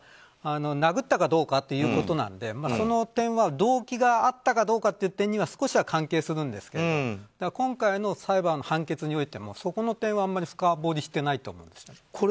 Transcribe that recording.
殴ったかどうかということなのでその点は、動機があったかどうかという点には少しは関係するんですけど今回の裁判、判決においてもそこの点はあまり深掘りしてないと思います。